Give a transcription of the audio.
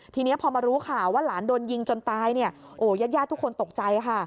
ทีนี้พอมารู้ข่าวว่าหลานโดนยิงจนตายเนี่ยโอ้ญาติญาติทุกคนตกใจค่ะ